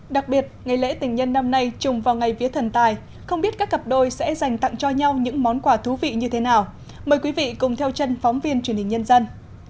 đặc biệt ngày lễ tình nhân năm nay trùng vào ngày vía thần tài không biết các cặp đôi sẽ dành tặng cho nhau những món quà thú vị như thế nào mời quý vị cùng theo chân phóng viên truyền hình nhân dân